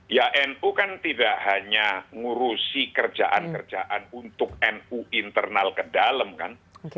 ya nu kan tidak hanya ngurusi kerjaan kerjaan untuk nu internal ke dalam kan